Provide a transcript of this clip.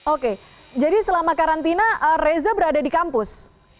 oke jadi selama karantina reza berada di kampus